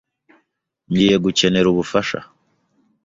Ngiye gukenera ubufasha.